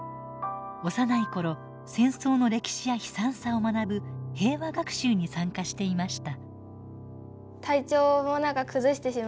幼い頃戦争の歴史や悲惨さを学ぶ平和学習に参加していました。